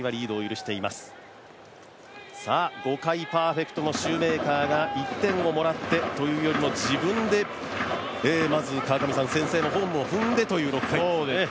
そして、シューメーカーが５回パーフェクトのシューメーカーよりは１点をもらってというよりもシューメーカーが自分でまず先制のホームを踏んでという６回。